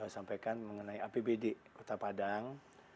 sampaikan mengenai apbd kota padang